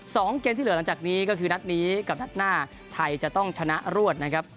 สองเกมที่เหลือหลังจากนี้ก็คือนัดนี้กับนัดหน้าไทยจะต้องชนะรวดนะครับ